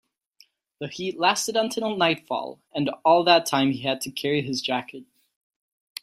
The heat lasted until nightfall, and all that time he had to carry his jacket.